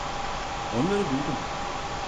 Onları duydum.